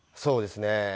そうですね。